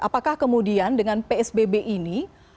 apakah kemudian dengan psbb ini